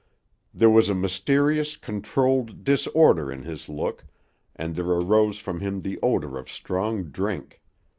There was a mysterious, controlled disorder in his look and there arose from him the odor of strong drink.